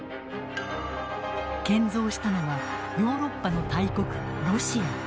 建造したのはヨーロッパの大国ロシア。